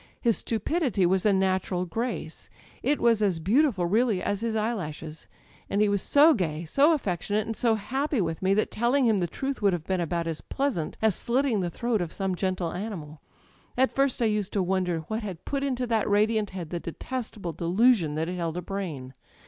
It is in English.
His stupidity was a natural grace â€" it was as beau tiful, really, as his eyelashes. And he was so gay, so affectionate, and so happy with me, that telling him the truth would have been about as pleasant as slitting the throat of some gentle animal. At first I used to wonder what had put into that radiant head the de testable delusion that it held a brain.